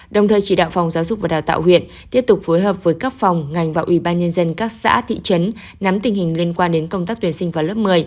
đồng thời chỉ đạo phòng giáo dục và đào tạo huyện tiếp tục phối hợp với các phòng ngành và ủy ban nhân dân các xã thị trấn nắm tình hình liên quan đến công tác tuyển sinh vào lớp một mươi